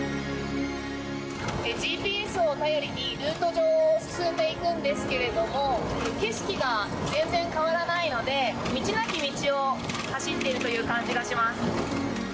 ＧＰＳを頼りにルート上を進んでいくんですけれども景色が全然変わらないので道なき道を走っているという感じがします。